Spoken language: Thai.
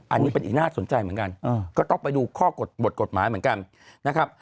อันนี้เป็นอีกน่าสนใจเหมือนกันก็ต้องไปดูข้อบทกฎหมายเหมือนกันนะครับ